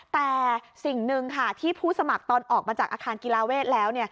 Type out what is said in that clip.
แต่สิ่งหนึ่งค่ะที่ผู้สมัครตอนออกมาจากอาคารกีฬาเวทแล้ว